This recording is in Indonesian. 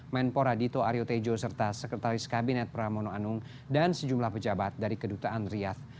menpora dito aryo tejo serta sekretaris kabinet pramono anung dan sejumlah pejabat dari kedutaan riyad